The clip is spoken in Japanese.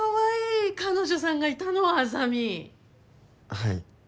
はい。